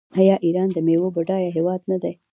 آیا ایران د میوو بډایه هیواد نه دی؟